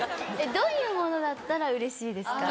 どういうものだったらうれしいですか？